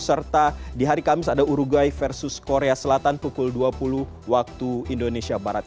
serta di hari kamis ada urugai versus korea selatan pukul dua puluh waktu indonesia barat